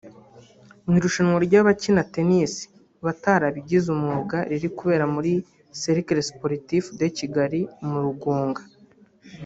Mu irushanwa ry’abakina Tennis batarabigize umwuga riri kubera kuri Cercle Sportif de Kigali mu Rugunga